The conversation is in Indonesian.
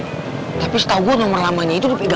eh tapi setau gue nomor lamanya itu gak diangkat